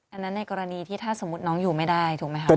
อันนั้นในกรณีที่ถ้าสมมุติน้องอยู่ไม่ได้ถูกไหมคะ